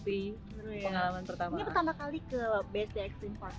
ini pertama kali ke bcx e bike